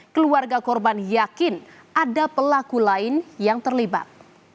keluarga korban yakin ada pelaku lain yang terlibat